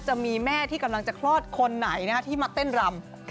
จะมีแม่ที่กำลังจะคลอดคนไหนที่มาเต้นรำ